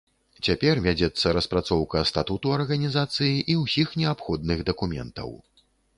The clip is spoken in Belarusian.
Цяпер вядзецца распрацоўка статуту арганізацыі і ўсіх неабходных дакументаў.